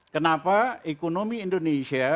kenapa ekonomi indonesia